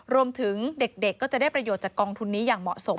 รวมถึงเด็กก็จะได้ประโยชน์จากกองทุนนี้อย่างเหมาะสม